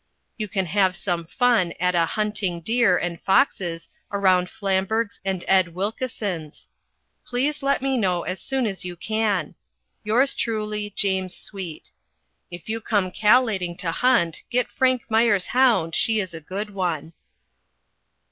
You can have some fun at a hunting deer and foxes around Flamburgs and Ed Wilkisun's. Pleas let me know as soon as you can. "Yours truly James Sweet. "If you come callating to hunt get Frank Meyer's hound she is a good one."